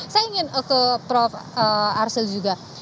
saya ingin ke prof arsel juga